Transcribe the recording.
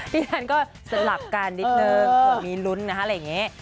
ที่นานก็สลับกะเน่นก็มีลุ้นนะคะ